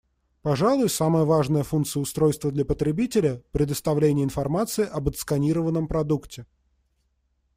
Пожалуй, самая важная функция устройства для потребителя — предоставление информации об отсканированном продукте.